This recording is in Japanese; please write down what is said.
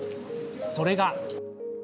それが。